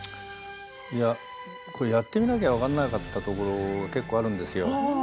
いや、これはやってみなければ分からなかったところが結構あるんですよ。